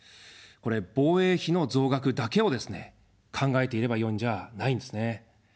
これ、防衛費の増額だけをですね、考えていればよいんじゃないんですね。